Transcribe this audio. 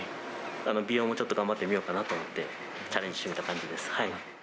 美容もちょっと頑張ってみようかなと思って、チャレンジしてみた感じです。